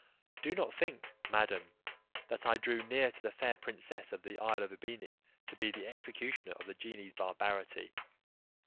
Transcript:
Do not think, madam, that I drew near to the fair princess of the isle of Ebene to be the executioner of the genie's barbarity.